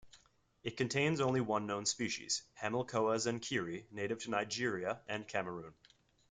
It contains only one known species, Hamilcoa zenkeri, native to Nigeria and Cameroon.